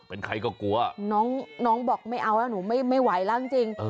เป็นใครก็กลัวน้องบอกไม่เอาแล้วหนูไม่ไหวแล้วจริง